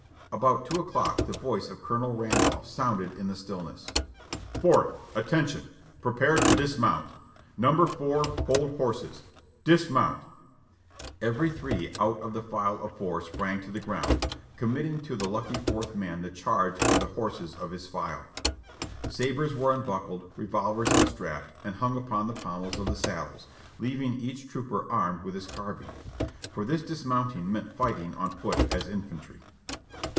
About two o'clock the voice of Colonel Randolph sounded in the stillness: "Fourth, attention! Prepare to dismount! Number four, hold horses ! Dismount !" Every three out of the file of four sprang to the ground, com mitting to the lucky fourth man the charge of the horses of his file. Sabres were unbuckled, revolvers unstrapped and hung upon the pommels of the saddles, leaving each trooper armed with his carbine ; for this dismounting meant fighting on foot as infantry.